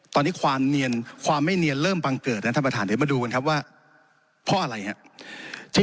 ตอนนี้ความไม่เนียนเริ่มบังเกิดนะธรรมฐานเดี๋ยวมาดูกันครับว่าเพราะอะไร